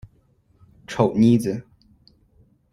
丑妮子。